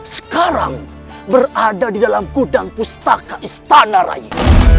sekarang berada di dalam kudang pustaka istana raih